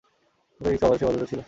প্রথম ইনিংসে ওভারের সীমাবদ্ধতা ছিল।